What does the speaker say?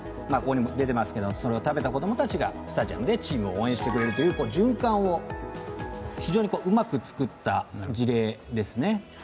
それを食べた子供たちがスタジアムでチームを応援してくれるという循環を非常にうまく作った事例ですね。